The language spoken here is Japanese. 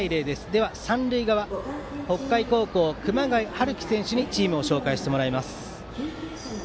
では、三塁側北海高校の熊谷陽輝選手にチームを紹介してもらいます。